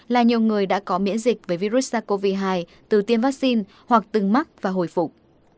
là nhiều người đã có miễn dịch với virus sars cov hai từ tiêm vaccine hoặc từng mắc và hồi phục